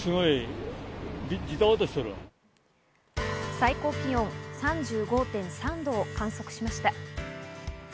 最高気温３５．３度を観測しました。